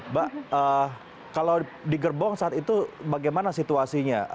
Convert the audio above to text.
mbak kalau di gerbong saat itu bagaimana situasinya